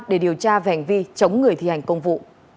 để điều tra vẻnh vi chống người thi hành công vụ